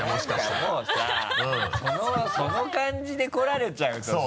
もうさその感じで来られちゃうとさ。